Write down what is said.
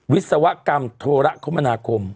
วิศวกรรมโทรคมนาคม